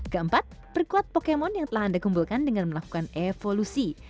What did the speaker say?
keempat perkuat pokemon yang telah anda kumpulkan dengan melakukan evolusi